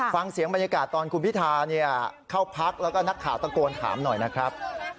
ฟังเสียงบรรยากาศตอนคุณพิธาเข้าพักแล้วก็นักข่าวตะโกนถามหน่อยนะครับ